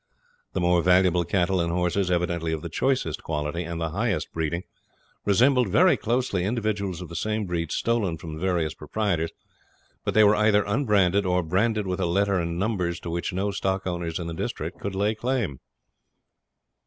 The more valuable cattle and horses, evidently of the choicest quality and the highest breeding, resembled very closely individuals of the same breed stolen from the various proprietors. But they were either unbranded or branded with a letter and numbers to which no stock owners in the district could lay claim.